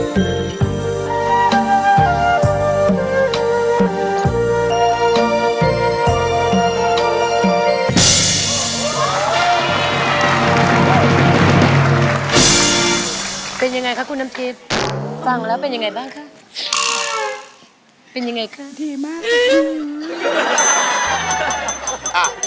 ดีมากครับคุณ